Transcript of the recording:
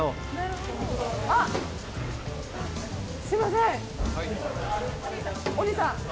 すみません。